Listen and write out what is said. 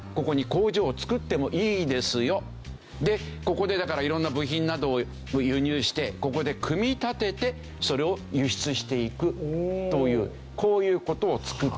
ここはここでだから色んな部品などを輸入してここで組み立ててそれを輸出していくというこういう事を作った。